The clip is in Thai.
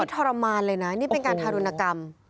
ทรมานเลยนะนี่เป็นการทารุณกรรม